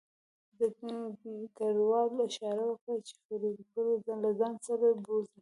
ډګروال اشاره وکړه چې فریدګل له ځان سره بوځي